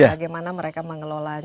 bagaimana mereka mengelolanya